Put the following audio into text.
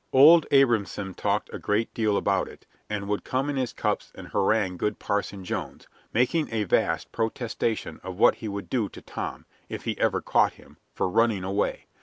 Old Abrahamson talked a great deal about it, and would come in his cups and harangue good Parson Jones, making a vast protestation of what he would do to Tom if he ever caught him for running away.